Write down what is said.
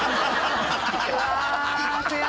うわ。